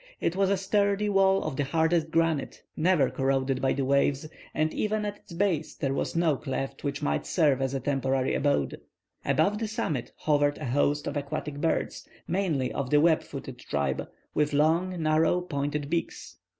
It was a sturdy wall of the hardest granite, never corroded by the waves, and even at its base there was no cleft which might serve as a temporary abode. About the summit hovered a host of aquatic birds, mainly of the web footed tribe, with long, narrow, pointed beaks.